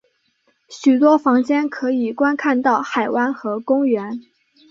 许多房间可以观看到海湾和公园。